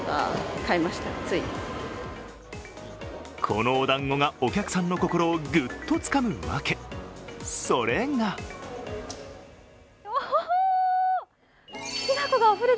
このおだんごがお客さんの心をグッとつかむ訳、それがお！